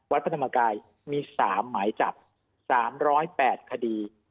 วัดพระธรรมกายมีสามหมายจับสามร้อยแปดคดี